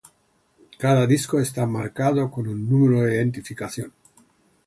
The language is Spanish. Cada disco está marcado con un número de identificación.